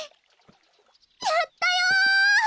やったよ！